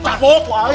bapak apaan ini